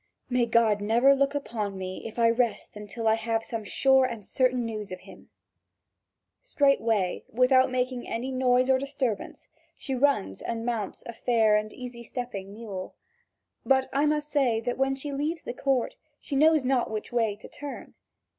"May God never look upon me, if I rest until I have some sure and certain news of him!" Straightway, without making any noise or disturbance, she runs and mounts a fair and easy stepping mule. But I must say that when she leaves the court, she knows not which way to turn.